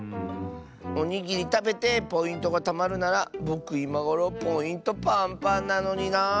おにぎりたべてポイントがたまるならぼくいまごろポイントパンパンなのにな。